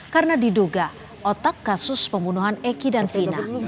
karena diduga otak kasus pembunuhan eki dan vina